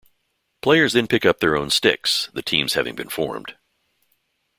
Players then pick up their own sticks, the teams having been formed.